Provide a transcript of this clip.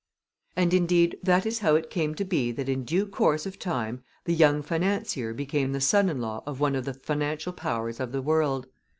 And, indeed, that is how it came to be that in due course of time the young financier became the son in law of one of the financial powers of the world.